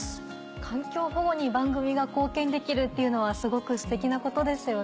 環境保護に番組が貢献できるっていうのはすごくステキなことですよね。